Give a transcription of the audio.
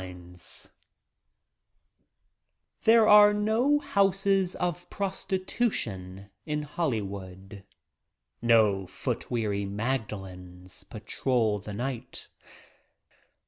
■'■ HERE are no houses of prostitution in Holly* wood. No foot weary Magdalenes the night.